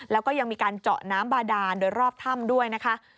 แล้วก็ยังมีการเจาะน้ำบาดานโดยรอบถ้ำด้วยนะคะ